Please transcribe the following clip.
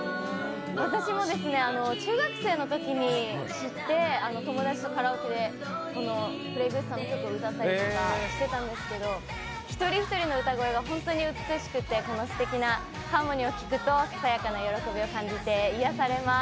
私も中学生のときに知って、友達とカラオケでこのＰｌａｙ．Ｇｏｏｓｅさんの歌を歌ったりとかしてたんですけど一人一人の歌声が本当に美しくて、このすてきなハーモニーを聴くとささやかな喜びを感じて癒やされます。